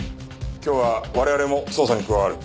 今日は我々も捜査に加わる。